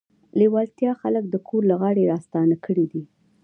لېوالتیا خلک د ګور له غاړې راستانه کړي دي